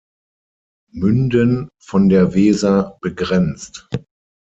Münden von der Weser begrenzt.